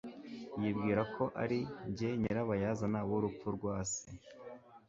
Yibwira ko ari njye nyirabayazana w'urupfu rwa se.